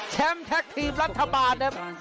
แชมป์แท็กทีมรัฐบาล